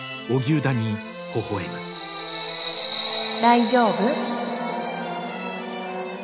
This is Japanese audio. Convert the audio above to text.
大丈夫？